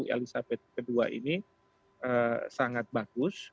ratu elizabeth ke dua ini sangat bagus